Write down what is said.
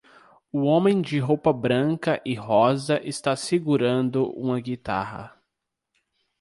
O homem de roupa branca e rosa está segurando uma guitarra.